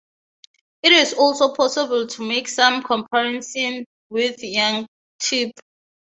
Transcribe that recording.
It is also possible to make some comparisons with Yaniktepe.